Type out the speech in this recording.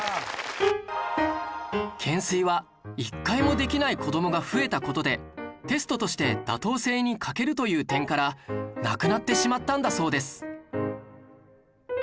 懸垂は１回もできない子どもが増えた事でテストとして妥当性に欠けるという点からなくなってしまったんだそうです